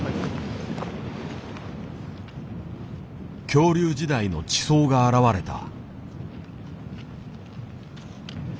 恐竜時代の地層が現れた。